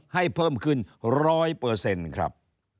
ให้เพิ่มขึ้น๑๐๐ครับ